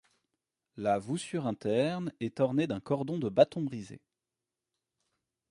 La voussure interne est ornée d'un cordon de bâtons brisés.